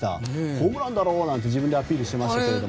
ホームランだろうなんて自分でアピールしてましたけど。